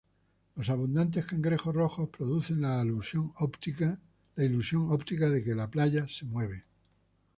Los abundantes cangrejos rojos producen la ilusión óptica de que la playa se mueve.